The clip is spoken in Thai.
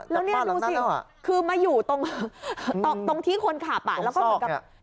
แล้วนี่ดูสิคือมาอยู่ตรงที่คนขับแล้วก็เหมือนกับ